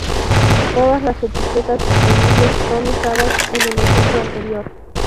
Todas las etiquetas disponibles son usadas en el ejemplo anterior.